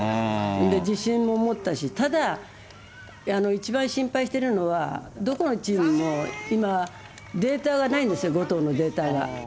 自信も持ったし、ただ、一番心配しているのは、どこのチームも今、データがないんですよ、後藤のデータが。